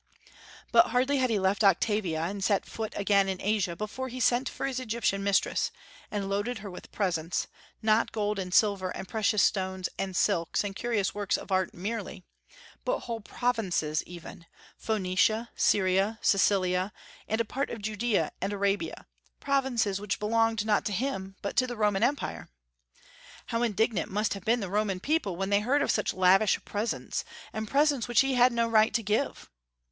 But hardly had he left Octavia, and set foot again in Asia, before he sent for his Egyptian mistress, and loaded her with presents; not gold, and silver, and precious stones, and silks, and curious works of art merely, but whole provinces even, Phoenicia, Syria, Cilicia, and a part of Judea and Arabia, provinces which belonged not to him, but to the Roman Empire. How indignant must have been the Roman people when they heard of such lavish presents, and presents which he had no right to give!